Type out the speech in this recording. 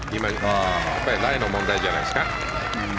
やっぱりライの問題じゃないですか。